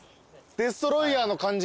デストロイヤーの感じ。